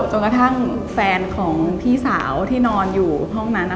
จนกระทั่งแฟนของพี่สาวที่นอนอยู่ห้องนั้น